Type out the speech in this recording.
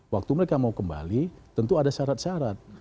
waktu mereka mau kembali tentu ada syarat syarat